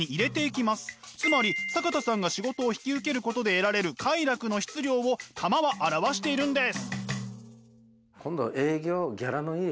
つまり坂田さんが仕事を引き受けることで得られる快楽の質量を玉は表しているんです。